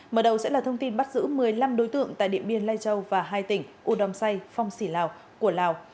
mở đầu sẽ là thông tin bắt giữ một mươi năm đối tượng tại điện biên lai châu và hai tỉnh udom say phong sỉ lào của lào